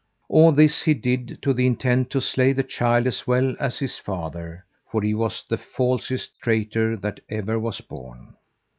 All this he did to the intent to slay the child as well as his father, for he was the falsest traitor that ever was born.